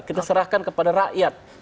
kita serahkan kepada rakyat